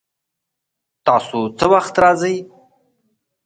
تاسو څه وخت راځئ؟